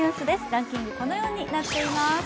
ランキング、このようになっています。